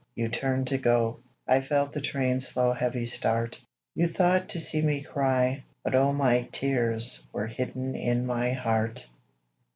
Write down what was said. you turned to go, I felt the train's slow heavy start, You thought to see me cry, but oh My tears were hidden in my heart.